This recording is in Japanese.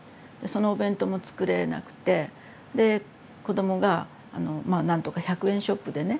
そのお弁当も作れなくてで子どもが何とか１００円ショップでね